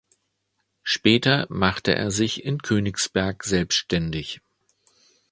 Später machte er sich in Königsberg selbständig.